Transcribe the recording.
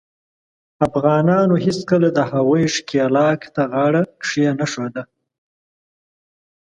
افغانانو هیڅکله د هغوي ښکیلاک ته غاړه کښېنښوده.